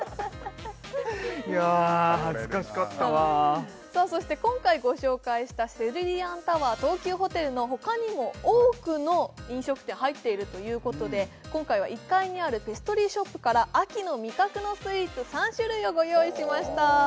いや恥ずかしかったわ頼れるなさあそして今回ご紹介したセルリアンタワー東急ホテルの他にも多くの飲食店入っているということで今回は１階にあるペストリーショップから秋の味覚のスイーツ３種類をご用意しました